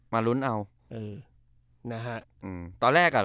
มาลุ้นออก